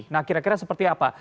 nah kira kira seperti apa